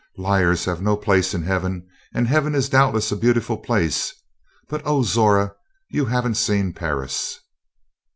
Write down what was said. Liars have no place in heaven and heaven is doubtless a beautiful place but oh, Zora! you haven't seen Paris!"